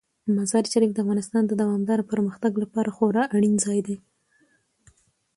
مزارشریف د افغانستان د دوامداره پرمختګ لپاره خورا اړین ځای دی.